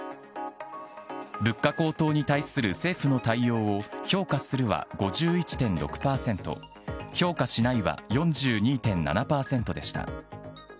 物価高騰に対する政府の対応を評価するは５１．６％評価しないは４２．７％でした。